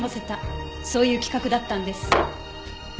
そういう企画だったんです。